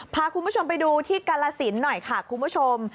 พาคุณผู้ชมไปดูที่กาลสินหน่อยค่ะคุณผู้ชม